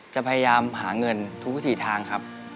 จะพยายามหาเงินทุกวิถีทางครับ